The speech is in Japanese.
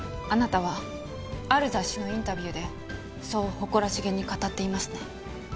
あなたはある雑誌のインタビューでそう誇らしげに語っていますね。